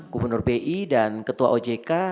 gubernur bi dan ketua ojk